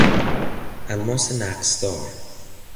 الماس نقصدار